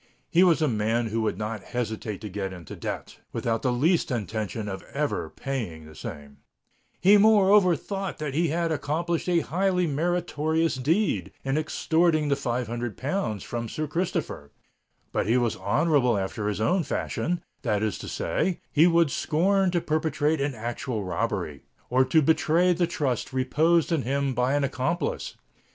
He was a man who would not hesitate to get into debt, without the least intention of ever paying the same,—he moreover thought that he had accomplished a highly meritorious deed in extorting the five hundred pounds from Sir Christopher: but he was honourable after his own fashion—that is to say, he would scorn to perpetrate an actual robbery, or to betray the trust reposed in him by an accomplice.